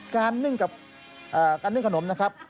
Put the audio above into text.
การนึ่งขนมนะครับ